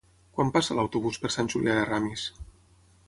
Quan passa l'autobús per Sant Julià de Ramis?